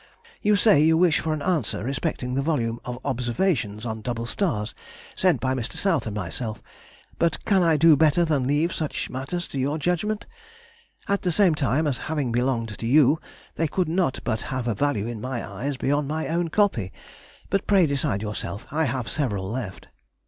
You say you wish for an answer respecting the vol. of observations on double stars, sent by Mr. South and myself, but can I do better than leave such matters to your judgment? At the same time, as having belonged to you they could not but have a value in my eyes beyond my own copy; but pray decide yourself. I have several left.